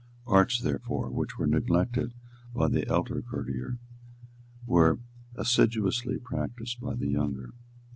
Arts, therefore, which were neglected by the elder courtier were assiduously practised by the younger.